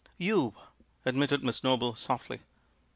"You," admitted Miss Noble softly.